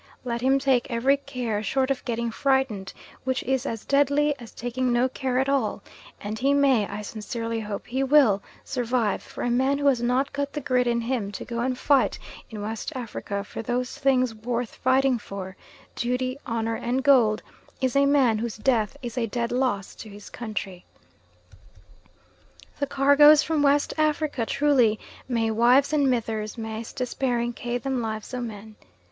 Let him take every care short of getting frightened, which is as deadly as taking no care at all, and he may I sincerely hope he will survive; for a man who has got the grit in him to go and fight in West Africa for those things worth fighting for duty, honour and gold is a man whose death is a dead loss to his country. The cargoes from West Africa truly may "wives and mithers maist despairing ca' them lives o' men."